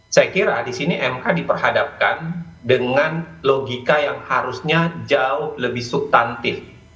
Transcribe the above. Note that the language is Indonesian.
saya kira di sini mk diperhadapkan dengan logika yang harusnya jauh lebih subtantif